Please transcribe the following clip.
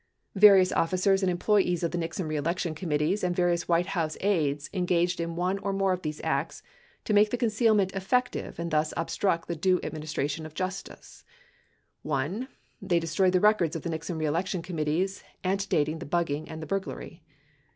Various officers and employees of the Nixon reelection committees and various White House aides engaged in one or more of these acts to make the concealment effective and thus obstruct the due adminis tration of justice : 1. They destroyed the records of the Nixon reelection committees antedating the hugging and the burgl ary.